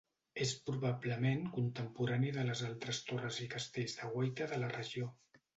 És probablement contemporani de les altres torres i castells de guaita de la regió.